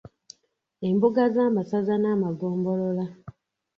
Embuga z'amasaza n'amagombolola.